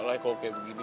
ya aku juga gak like do